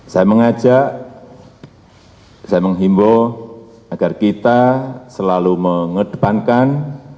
saya mengajak saya menghimbau agar kita selalu mengedepankan